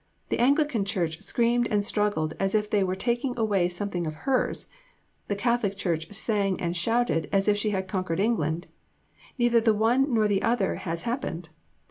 The Anglican Ch. screamed and struggled as if they were taking away something of hers, the Catholic Ch. sang and shouted as if she had conquered England neither the one nor the other has happened.